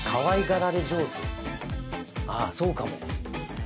ああ、そうかも！